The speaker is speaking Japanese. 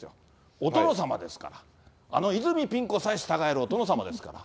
お殿様ですから、あの泉ピン子さえ従えるお殿様ですから。